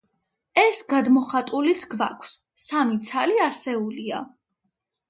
ეს გადმოხატულიც გვაქვს; სამი ცალი ასეულია.